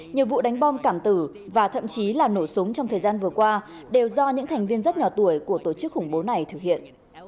nhiều vụ đánh bom cảm tử và thậm chí là nổ súng trong thời gian vừa qua đều do những thành viên rất nhỏ tuổi của tổ chức khủng bố này thực hiện